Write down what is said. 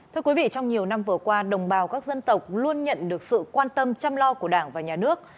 thưa quý vị trong nhiều năm vừa qua đồng bào các dân tộc luôn nhận được sự quan tâm chăm lo của đảng và nhà nước